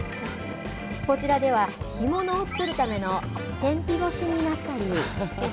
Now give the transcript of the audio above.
こちらではヒモノを作るための天日干しになったり。